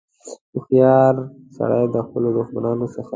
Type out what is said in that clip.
هوښیار سړي د خپلو دښمنانو څخه.